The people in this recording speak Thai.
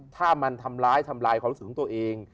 ถ้ามันทำร้ายทำลายความรู้สึกของตัวเอง